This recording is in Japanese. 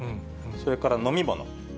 それから飲み物。